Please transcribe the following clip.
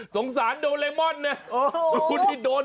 สงสารโดเรมอนเนี่ย